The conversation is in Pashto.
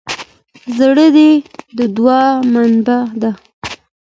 زړه د دوعا منبع ده.